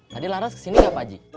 tadi laras kesini gak pak haji